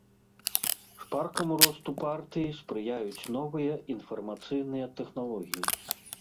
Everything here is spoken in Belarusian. Шпаркаму росту партыі спрыяюць новыя інфармацыйныя тэхналогіі.